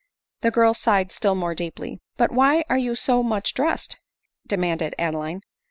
The girl sighed still more deeply. " But why are you so much dressed?" demanded Adeline.